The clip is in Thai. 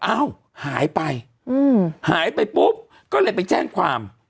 เอ้าหายไปหายไปปุ๊บก็เลยไปแจ้งความ